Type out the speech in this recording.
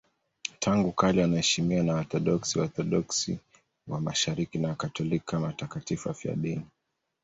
Tangu kale wanaheshimiwa na Waorthodoksi, Waorthodoksi wa Mashariki na Wakatoliki kama watakatifu wafiadini.